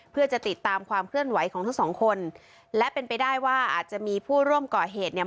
เพื่อจะติดตามความเคลื่อนไหวของทั้งสองคนและเป็นไปได้ว่าอาจจะมีผู้ร่วมก่อเหตุเนี่ย